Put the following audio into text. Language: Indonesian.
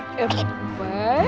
tengok ke kanan